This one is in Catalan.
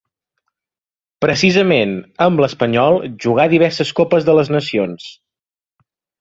Precisament, amb l'Espanyol jugà diverses Copes de les Nacions.